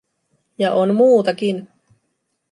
Ja on muutakin.